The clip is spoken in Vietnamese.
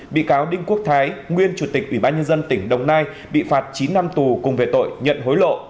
bị cáo đinh quốc thái nguyên chủ tịch ủy ban nhân dân tỉnh đồng nai bị phạt chín năm tù cùng về tội nhận hối lộ